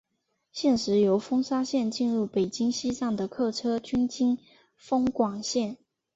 现时由丰沙线进入北京西站的客车均经丰广线。